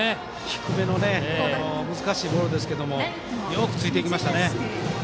低めの難しいボールですけどよくついていきましたね。